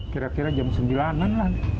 kira kira jam sembilanan lah